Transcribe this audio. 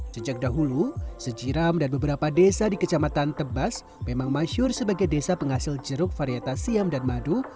sejak dahulu sejiram dan beberapa desa di kecamatan tebas memang masyur sebagai desa penghasil jeruk varietas siam dan madu